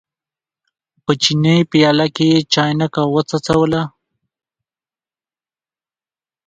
په چیني پیاله کې یې چاینکه وڅڅوله.